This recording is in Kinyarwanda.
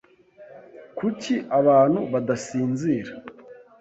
Kuki abantu badasinzira?